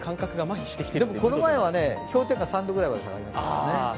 この前は氷点下３度くらいまで下がりましたからね。